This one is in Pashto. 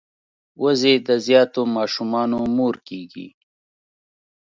وزې د زیاتو ماشومانو مور کیږي